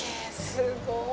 すごい！